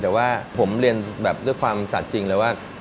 แต่ว่าผมเรียนแบบด้วยความสัดจริงเลยว่า